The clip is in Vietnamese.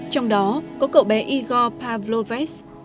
trong đó có cậu bé igor pavloves